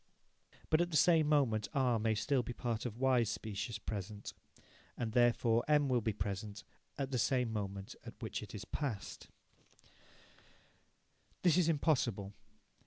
But at the same moment R may still be part of Y's specious present. And, therefore, M will be present, at the same moment at which it is past. This is impossible.